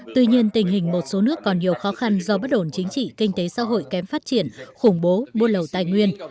tuy nhiên tình hình một số nước còn nhiều khó khăn do bất đổn chính trị kinh tế xã hội kém phát triển khủng bố bô lầu tài nguyên